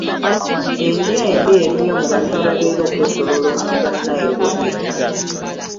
Endya embi eri nnyo bantu ababeera okwetooloola omugga Nile weguyita.